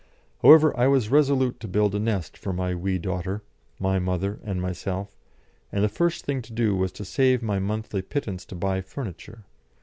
However, I was resolute to build a nest for my wee daughter, my mother, and myself, and the first thing to do was to save my monthly pittance to buy furniture.